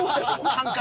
感覚